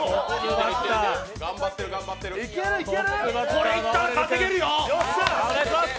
これいったら、稼げるよ！